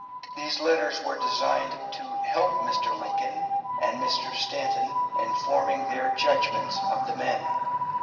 These letters were designed to help Mr. Lincoln and Mr. Stanton in forming their judgments of the men.